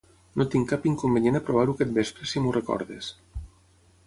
No tinc cap inconvenient a provar-ho aquest vespre si m'ho recordes.